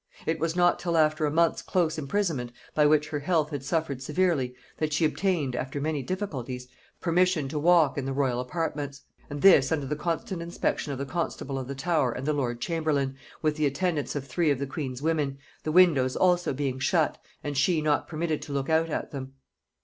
It was not till after a month's close imprisonment, by which her health had suffered severely, that she obtained, after many difficulties, permission to walk in the royal apartments; and this under the constant inspection of the constable of the Tower and the lord chamberlain, with the attendance of three of the queen's women; the windows also being shut, and she not permitted to look out at them.